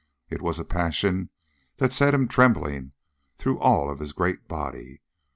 It was a passion that set him trembling through all of his great body.